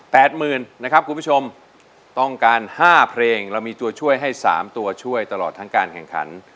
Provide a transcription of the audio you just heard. หมื่นนะครับคุณผู้ชมต้องการห้าเพลงเรามีตัวช่วยให้สามตัวช่วยตลอดทั้งการแข่งขัน